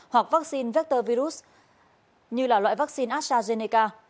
hoặc vaccine vector virus như loại vaccine astrazeneca